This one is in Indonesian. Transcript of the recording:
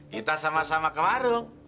kita sama sama ke warung